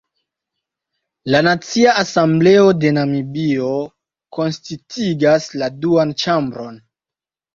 La Nacia Asembleo de Namibio konsistigas la duan ĉambron.